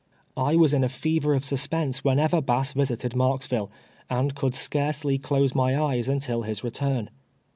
I was in a fever of suspense whenever Bass visited Marksville, and could scarcely close my eyes until his return.